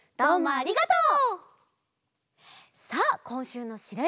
ありがとう！